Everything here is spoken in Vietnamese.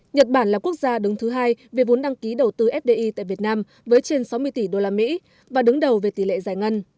nhật bản là quốc gia đứng thứ hai về vốn đăng ký đầu tư fdi tại việt nam với trên sáu mươi tỷ usd và đứng đầu về tỷ lệ giải ngân